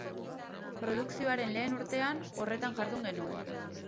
Produkzioaren lehen urtean, horretan jardun genuen.